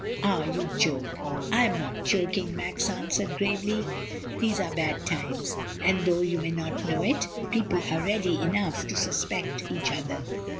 "Ah, you joke!" "I am not joking," Max answered, gravely; "these are bad times, and though you may not know it people are ready enough to suspect each other.